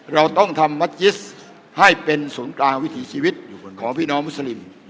เราต้องทำมัจจิสให้เป็นศูนย์กลางวิถีชีวิตอยู่ของพี่น้องมุสลิม